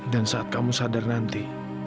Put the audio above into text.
dan saat kamu sadar nanti